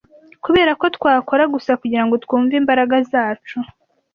kuberako twakora gusa kugirango twumve imbaraga zacu